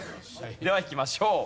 ではいきましょう。